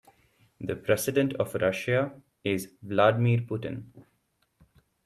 The president of Russia is Vladimir Putin.